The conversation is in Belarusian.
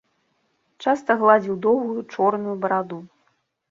Часта гладзіў доўгую чорную бараду.